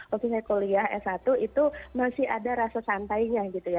waktu saya kuliah s satu itu masih ada rasa santainya gitu ya